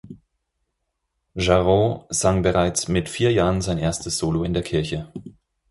Jarreau sang bereits mit vier Jahren sein erstes Solo in der Kirche.